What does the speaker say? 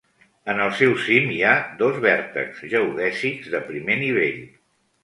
En el seu cim hi ha dos vèrtexs geodèsics de primer nivell.